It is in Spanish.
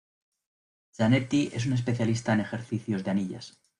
Zanetti es un especialista en ejercicios de anillas.